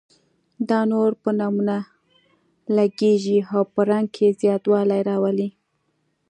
دا نور په نمونه لګیږي او په رنګ کې زیاتوالی راولي.